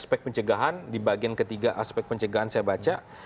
aspek pencegahan di bagian ketiga aspek pencegahan saya baca